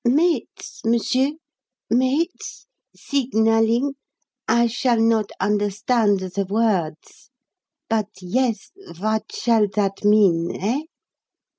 "Mates, monsieur? Mates? Signalling? I shall not understand the vords. But yes, vat shall that mean eh?"